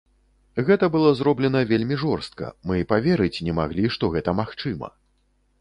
Гэта было зроблена вельмі жорстка, мы паверыць не маглі, што гэта магчыма.